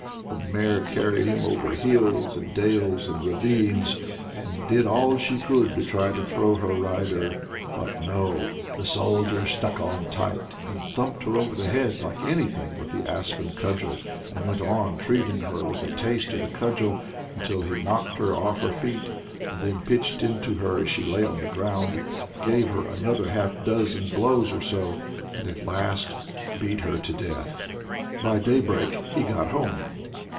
The mare carried him off over hills and dales and ravines, and did all she could to try and throw her rider. But no! the Soldier stuck on tight, and thumped her over the head like anything with the aspen cudgel, and went on treating her with a taste of the cudgel until he knocked her off her feet, and then pitched into her as she lay on the ground, gave her another half dozen blows or so, and at last beat her to death. By daybreak he got home.